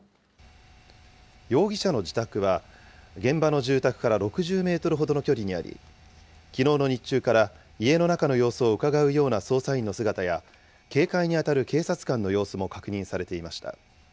容疑者の自宅は、現場の住宅から６０メートルほどの距離にあり、きのうの日中から家の中の様子をうかがうような捜査員の姿や、警戒にあたる警察官の様子も確認されていました。